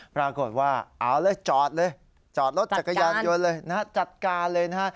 ปรากฏว่าเอาเลยจอดเลยจอดรถจักรยานจัดการเลย